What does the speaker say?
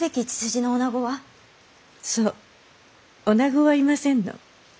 そう女はいませんの。